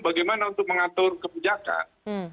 bagaimana untuk mengatur kebijakan